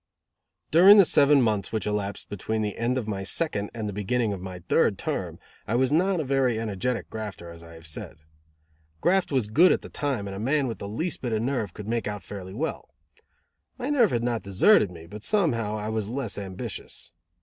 During the seven months which elapsed between the end of my second, and the beginning of my third term, I was not a very energetic grafter, as I have said. Graft was good at the time and a man with the least bit of nerve could make out fairly well. My nerve had not deserted me, but somehow I was less ambitious.